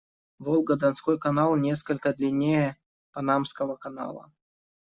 Волго-Донской канал несколько длиннее Панамского канала.